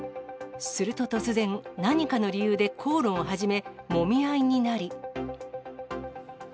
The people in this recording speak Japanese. すると突然、何かの理由で口論を始め、もみ合いになり。